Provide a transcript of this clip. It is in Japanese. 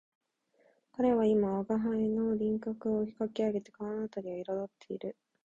彼は今吾輩の輪廓をかき上げて顔のあたりを色彩っている